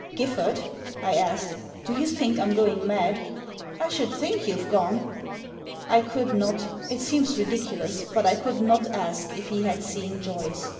" Giffard," I asked, " do you think I'm going mad ?"" I should think you've gone." I could not — it seems ridiculous, but I could not ask if he had seen Joyce.